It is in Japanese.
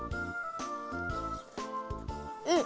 うん！